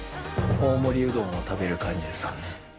大盛りうどんを食べる感じですかね。